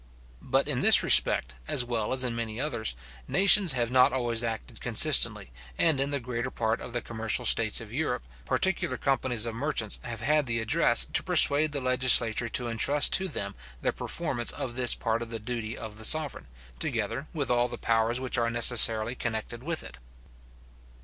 But in this respect, as well as in many others, nations have not always acted consistently; and in the greater part of the commercial states of Europe, particular companies of merchants have had the address to persuade the legislature to entrust to them the performance of this part of the duty of the sovereign, together with all the powers which are necessarily connected with it.